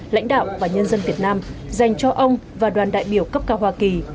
lãnh đạo và nhân dân việt nam dành cho ông và đoàn đại biểu cấp cao hoa kỳ